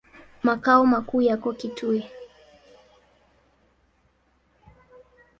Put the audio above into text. Makao makuu yako Kitui.